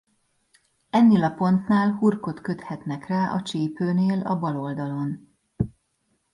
Ennél a pontnál hurkot köthetnek rá a csípőnél a bal oldalon.